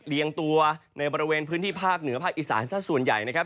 เลี้ยงตัวในบริเวณพื้นที่ภาคเหนือภาคอีสานสักส่วนใหญ่นะครับ